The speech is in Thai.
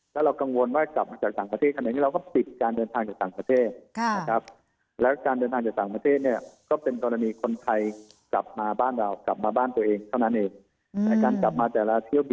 แล้วเรากังวลกลับมาจากต่างประเทศ